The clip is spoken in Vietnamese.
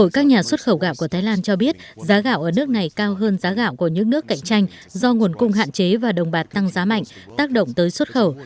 các nhà xuất khẩu gạo của thái lan cho biết giá gạo ở nước này cao hơn giá gạo của những nước cạnh tranh do nguồn cung hạn chế và đồng bạc tăng giá mạnh tác động tới xuất khẩu